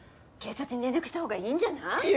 警察に連絡したほうがいいんじゃない？